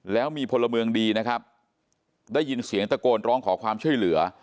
แล้วมีพลเมืองดีนะครับได้ยินเสียงตะโกนร้องขอความช่วยเหลือ